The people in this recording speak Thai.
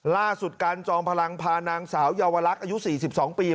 ล่าสุดการจอมพลังพานางสาวเยาวลักษณ์อายุ๔๒ปี